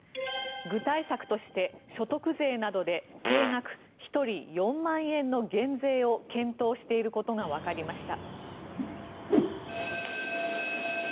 具体策として所得税などで定額１人４万円の減税を検討していることがわかりました。